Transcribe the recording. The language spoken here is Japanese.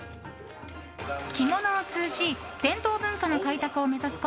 着物を通じ伝統文化の開拓を目指す